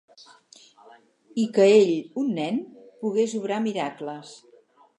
I que ell, un nen, pogués obrar miracles.